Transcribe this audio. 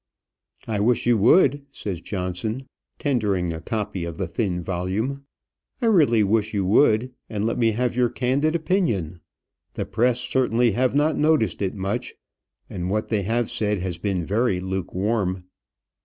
"I wish you would," says Johnson, tendering a copy of the thin volume. "I really wish you would; and let me have your candid opinion. The press certainly have not noticed it much, and what they have said has been very luke warm."